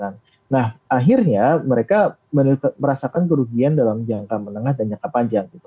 nah akhirnya mereka merasakan kerugian dalam jangka menengah dan jangka panjang